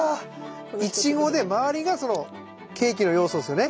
イチゴで周りがケーキのようですよね？